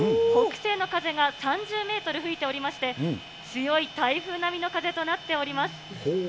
北西の風が３０メートル吹いておりまして、強い台風並みの風となっております。